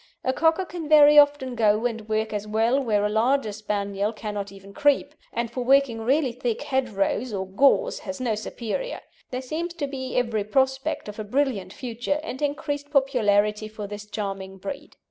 A Cocker can very often go and work as well where a larger Spaniel cannot even creep, and for working really thick hedgerows or gorse has no superior. There seems to be every prospect of a brilliant future, and increased popularity for this charming breed.